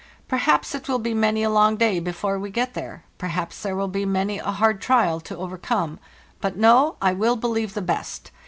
Perhaps it will be many a long day before we get there; perhaps there will be many a hard trial to overcome. But, no; I will believe the best.